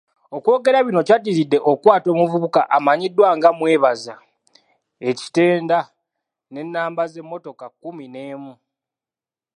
Okwogera bino kyadiridde okukwata omuvubuka amanyiddwa nga Mwebaza e Kitenda n'ennamba z'emmotoka kkumi n'emu.